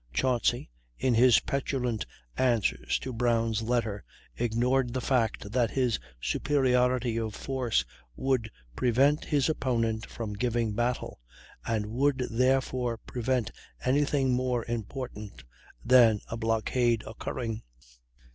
Chauncy, in his petulant answers to Brown's letter, ignored the fact that his superiority of force would prevent his opponent from giving battle, and would, therefore, prevent any thing more important than a blockade occurring.